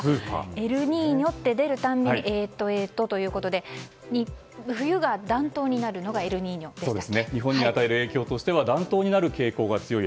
エルニーニョって出るたびにえーっとということで冬が暖冬になるのがエルニーニョでしたっけ。